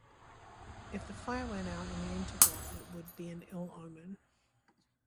If the fire went out in the interval, it would be an ill omen.